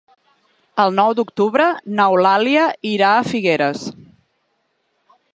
El nou d'octubre n'Eulàlia irà a Figueres.